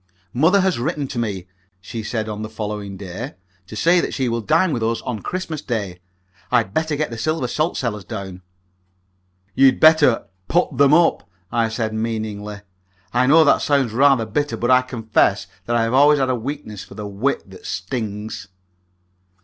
"Mother has written to me," she said on the following day, "to say that she will dine with us on Christmas Day. I had better get the silver salt cellars down." "You'd better put them up," I said, meaningly. I know that sounds rather bitter, but I confess that I have always had a weakness for the wit that stings.